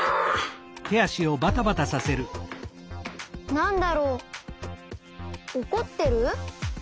なんだろうおこってる？